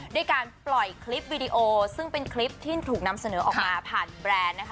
ด้วยการปล่อยคลิปวิดีโอซึ่งเป็นคลิปที่ถูกนำเสนอออกมาผ่านแบรนด์นะคะ